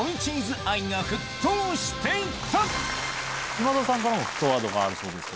今田さんからも沸騰ワードがあるそうです。